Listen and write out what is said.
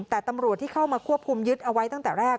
แต่ตำรวจที่เข้ามาควบคุมยึดเอาไว้ตั้งแต่แรก